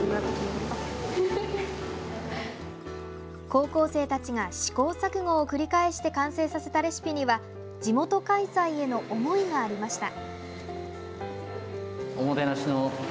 高校生たちが試行錯誤を繰り返して完成させたレシピには地元開催への思いがありました。